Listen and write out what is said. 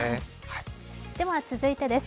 では続いてです。